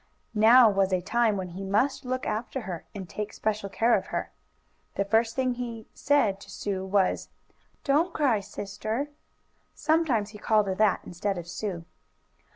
Now was a time when he must look after her and take special care of her. The first thing he said to Sue was: "Don't cry, Sister!" Sometimes he called her that instead of Sue.